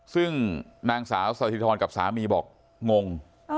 ซึ่งนางสาวสถิธรกับสามีบอกงง